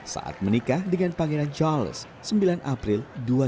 saat menikah dengan pangeran charles sembilan april dua ribu dua